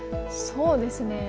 そうですね。